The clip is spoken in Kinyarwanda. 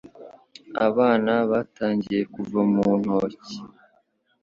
Abana batangiye kuva mu ntoki.